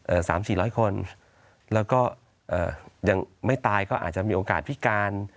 สามสี่ร้อยคนแล้วก็เอ่อยังไม่ตายก็อาจจะมีโอกาสพิการ